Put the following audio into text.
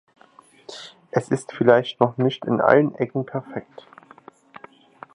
Es ist vielleicht noch nicht in allen Ecken perfekt.